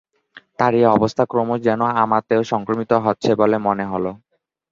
তার এই অবস্থা ক্রমশ যেন আমাতেও সংক্রমিত হচ্ছে বলে মনে হল।